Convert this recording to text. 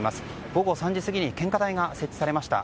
午後３時過ぎに献花台が設置されました。